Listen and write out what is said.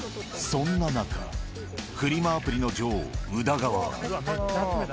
そんな中、フリマアプリの女王、宇田川は。